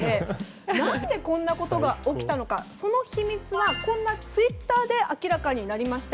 何でこんなことが起きたのかその秘密はこんなツイッターで明らかになりました。